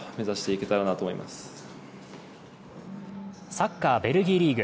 サッカー、ベルギーリーグ。